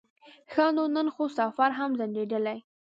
ښه نو نن خو سفر هم ځنډېدلی.